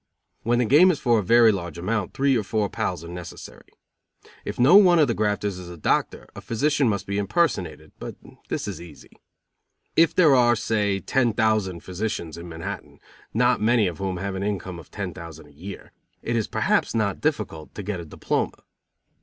When the game is for a very large amount three or four pals are necessary. If no one of the grafters is a doctor, a physician must be impersonated, but this is easy. If there are, say, ten thousand physicians in Manhattan, not many of whom have an income of ten thousand a year, it is perhaps not difficult to get a diploma.